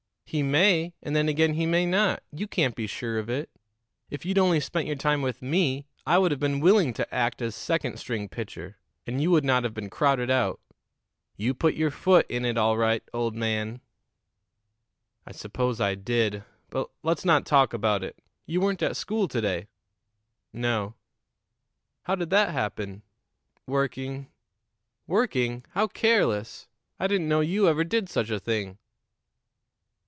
"He may, and then again he may not; you can't be sure of it. If you'd only spent your time with me, I would have been willing to act as second string pitcher, and you would not have been crowded out. You put your foot in it, all right, old man." "I suppose I did. But let's not talk about it. You weren't at school to day." "No." "How did that happen?" "Working." "Working? How careless! I didn't know you ever did such a thing."